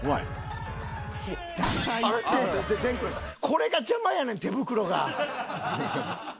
これが邪魔やねん手袋が。